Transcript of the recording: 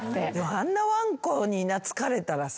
あんなワンコに懐かれたらさ。